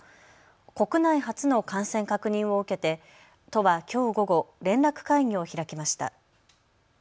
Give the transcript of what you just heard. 国内初の感染確認を受けて都はきょう午後、連絡会議を開きました。